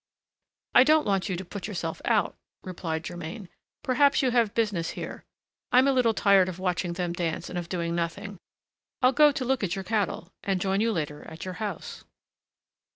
"I don't want you to put yourself out," replied Germain, "perhaps you have business here; I'm a little tired of watching them dance and of doing nothing. I'll go to look at your cattle, and join you later at your house."